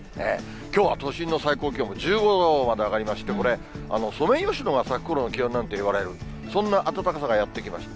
きょうは都心の最高気温も１５度まで上がりまして、これ、ソメイヨシノが咲くころの気温なんていわれる、そんな暖かさがやって来ました。